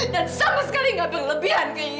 dan sama sekali gak berlebihan keinginan mama